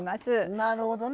なるほどね。